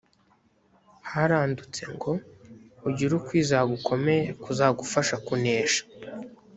harandutse ngo ugire ukwizera gukomeye kuzagufasha kunesha